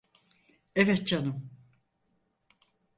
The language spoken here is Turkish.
Evet canım?